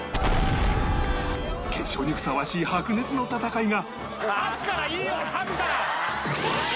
決勝にふさわしい白熱の戦いが！